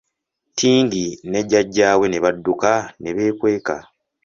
Tingi ne jjajja we ne badduka ne beekweka.